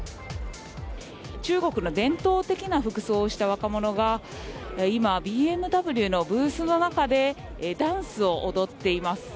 中国の伝統的な服装をした若者が、今、ＢＭＷのブースの中でダンスを踊っています。